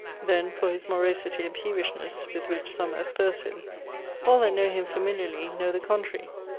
'Then for his morosity and peevishnesse, with which some asperse him, all that know him familiarly, know the contrary.